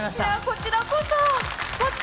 こちらこそ。